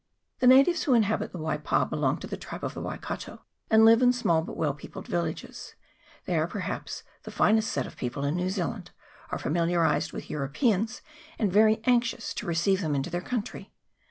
The natives who inhabit the Waipa belong to the tribe of the Waikato, and live in small but well peopled villages : they are, perhaps, the finest set of people in New Zealand, are familiarized with Eu ropeans, and very anxious to receive them into their country.